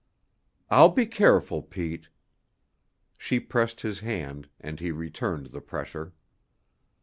"I'll be careful, Pete." She pressed his hand, and he returned the pressure.